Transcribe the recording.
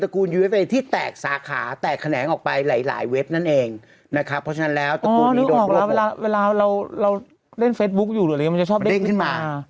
ถูกต้องครับผม